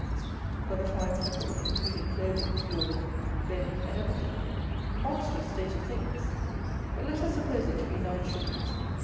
_ for the five people, including clothing, fuel, bedding and everything! Monstrous state of things! But let us suppose it to be nine shillings.